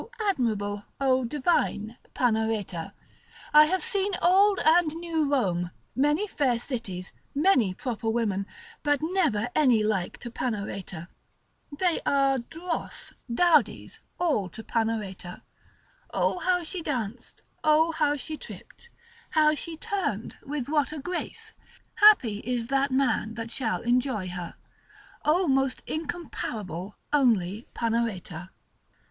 O admirable, O divine Panareta! I have seen old and new Rome, many fair cities, many proper women, but never any like to Panareta, they are dross, dowdies all to Panareta! O how she danced, how she tripped, how she turned, with what a grace! happy is that man that shall enjoy her. O most incomparable, only, Panareta!